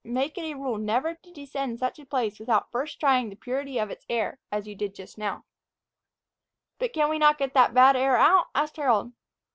Make it a rule never to descend such a place without first trying the purity of its air, as you did just now." "But can we not get that bad air out?" asked Harold.